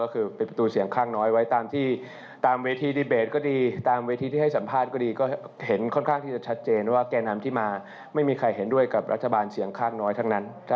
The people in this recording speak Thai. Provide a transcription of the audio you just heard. คิดว่าไม่น่าจะมีครับแล้วก็ประชาชนคงไม่ยอมด้วยถ้ามีครับ